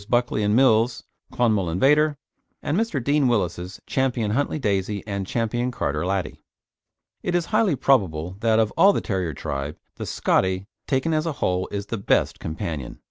Buckley and Mills's Clonmel Invader, and Mr. Deane Willis's Ch. Huntley Daisy and Ch. Carter Laddie. It is highly probable that of all the terrier tribe, the "Scottie," taken as a whole, is the best companion.